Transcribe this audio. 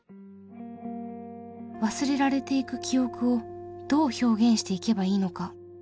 忘れられていく記憶をどう表現していけばいいのか？